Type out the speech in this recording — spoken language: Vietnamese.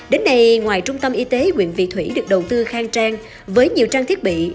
đến nay ngoài trung tâm y tế quyền vị thủy được đầu tư khang trang với nhiều trang thiết bị